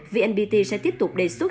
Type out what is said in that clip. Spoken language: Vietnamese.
vnpt sẽ tiếp tục đề xuất